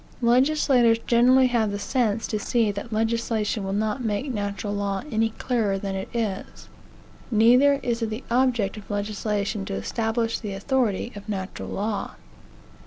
Legislators generally have the sense to see that legislation will not make natural law any clearer than it is. Neither is it the object of legislation to establish the authority of natural law.